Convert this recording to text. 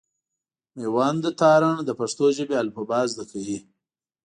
مېوند تارڼ د پښتو ژبي الفبا زده کوي.